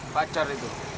apa pacar itu